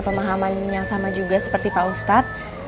pemahaman yang sama juga seperti pak ustadz